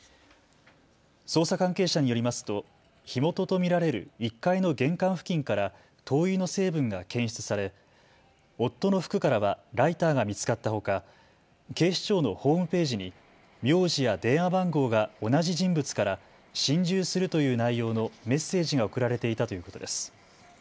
捜査関係者によりますと火元と見られる１階の玄関付近から灯油の成分が検出され夫の服からはライターが見つかったほか、警視庁のホームページに名字や電話番号が同じ人物から心中するという内容のメッセージが送られていたということです。